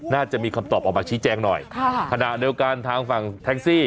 น่าจะมีคำตอบออกมาชี้แจงหน่อยค่ะขณะเดียวกันทางฝั่งแท็กซี่